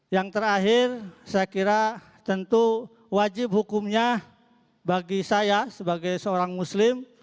yang terakhir saya kira tentu wajib hukumnya bagi saya sebagai seorang muslim